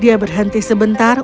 dia berhenti sebentar